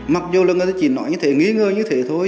mặc dù là người ta chỉ nói như thế nghĩ ngơ như thế thôi